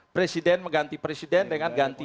presiden mengganti presiden dengan ganti